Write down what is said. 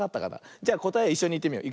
じゃこたえをいっしょにいってみよう。